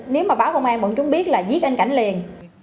nếu mà báo công an vẫn chúng biết là giết anh cảnh liền